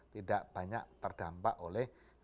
tidak banyak terdampak oleh